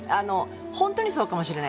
本当にそうかもしれない。